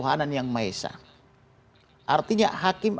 dan saya juga mungkin tidak pernah kwenak k dumika forward art